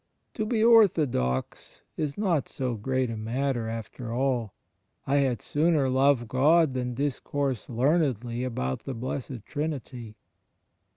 To be 'orthodox' is not so great a matter after all: *I had sooner love God than discourse learnedly about the Blessed Trinity.'